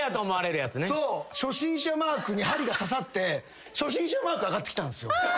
初心者マークに針が刺さって初心者マークあがってきたんすよ。